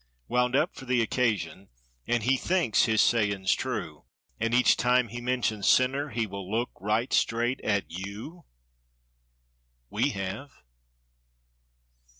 Wound up for the occasion, and he thinks his sayings true— And each time he mentions "sinner" he will look right straight at you! We have!